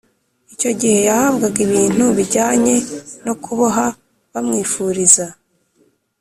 Icyo gihe yahabwaga ibintu bijyanye no kuboha bamwifuriza